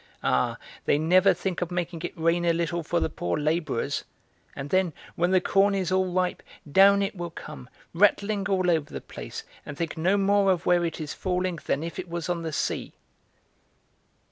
Ah, they never think of making it rain a little for the poor labourers! And then when the corn is all ripe, down it will come, rattling all over the place, and think no more of where it is falling than if it was on the sea!"